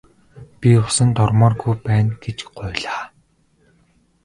Би усанд ормооргүй байна гэж гуйлаа.